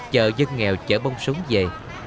chờ dân nghèo chở bông súng về